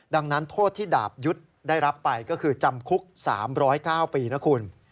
ดังนั้นโทษที่ดาบยุทธ์ได้รับไปก็คือจำคุก๓๐๙ปีนะคุณ